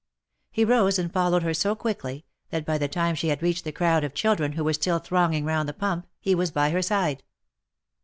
He rose and followed her so quickly, that by the time she had reached the crowd of children who were still thronging round the pump, he was by her side.